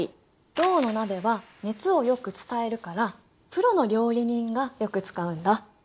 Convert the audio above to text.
銅の鍋は熱をよく伝えるからプロの料理人がよく使うんだ。